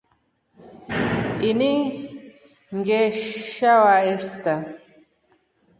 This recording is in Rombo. Ini ngeshawa esta.